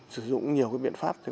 sử dụng nhiều biện pháp